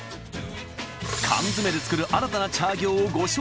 缶詰で作る新たなチャーギョウをご紹介！